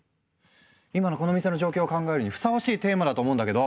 今のこの店の状況を考えるのにふさわしいテーマだと思うんだけど。